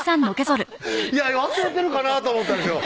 いや忘れてるかなと思ったんですよ